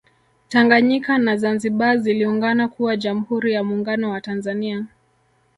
Tanganyika na Zanzibar ziliungana kuwa Jamhuri ya Muungano wa Tanzania